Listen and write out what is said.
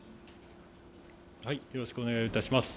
よろしくお願いします。